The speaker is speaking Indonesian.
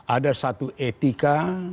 ada satu etika